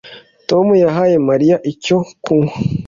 Tom yahaye Mariya icyo kunywa